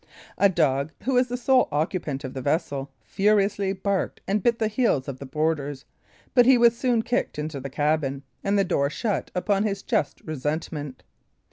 A dog, who was the sole occupant of the vessel, furiously barked and bit the heels of the boarders; but he was soon kicked into the cabin, and the door shut upon his just resentment.